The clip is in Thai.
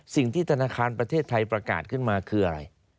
สิ่งที่ธนาคารประเทศไทยประกาศขึ้นมาคืออะไร